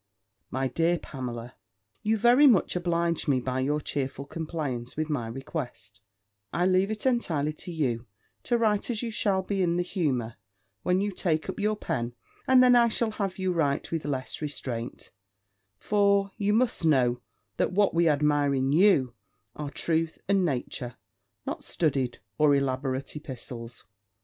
_ My dear Pamela, You very much oblige me by your cheerful compliance with my request: I leave it entirely to you to write as you shall be in the humour, when you take up your pen; and then I shall have you write with less restraint: for, you must know, that what we admire in you, are truth and nature, not studied or elaborate epistles.